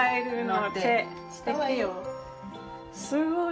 あすごい。